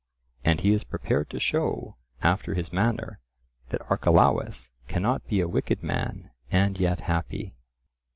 And he is prepared to show, after his manner, that Archelaus cannot be a wicked man and yet happy.